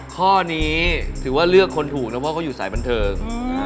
ข้อนี้ถือว่าเลือกคนถูกนะเพราะเขาอยู่สายบันเทิง